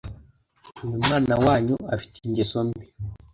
uyu mwana wanyu afite ingeso mbi